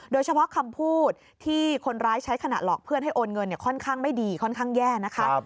เฉพาะคำพูดที่คนร้ายใช้ขณะหลอกเพื่อนให้โอนเงินค่อนข้างไม่ดีค่อนข้างแย่นะคะ